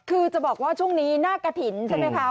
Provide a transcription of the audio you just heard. คือจะบอกว่าช่วงนี้หน้ากระถิ่นใช่ไหมคะ